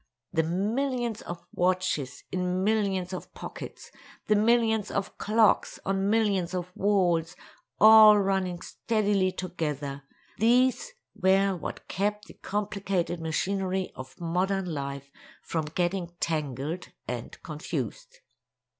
The millions of watches in millions of pockets, the millions of clocks on millions of walls, all running steadily together—these were what kept the complicated machinery of modern life from getting tangled and confused.